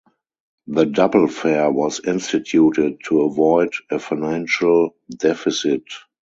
The double-fare was instituted to avoid a financial deficit.